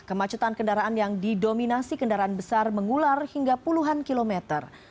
kemacetan kendaraan yang didominasi kendaraan besar mengular hingga puluhan kilometer